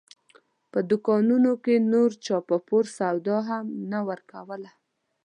په دوکانونو کې نور چا په پور سودا هم نه ورکوله.